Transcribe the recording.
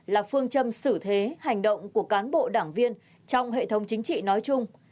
là phương châm xử thế hành động của cán bộ đảng viên trong hệ thống chính trị nói chung